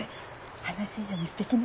話以上にすてきね。